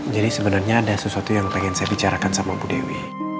jadi sebenernya ada sesuatu yang pengen saya bicarakan sama bu dewi